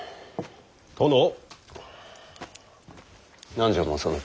何じゃ正信。